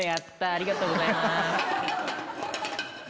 ありがとうございます！